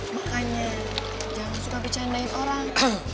makanya jangan suka bercandain orang